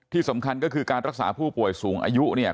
ที่สำคัญก็คือการรักษาผู้ป่วยสูงอายุเนี่ย